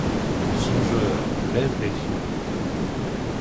Songeur, lève les yeux !